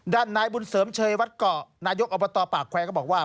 ด้านนายบุญเสริมเชยวัดเกาะนายกอบตปากแควร์ก็บอกว่า